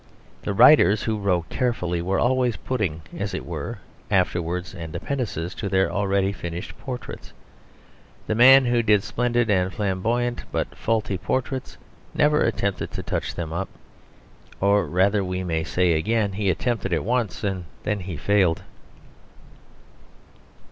The writers who wrote carefully were always putting, as it were, after words and appendices to their already finished portraits; the man who did splendid and flamboyant but faulty portraits never attempted to touch them up. Or rather (we may say again) he attempted it once, and then he failed.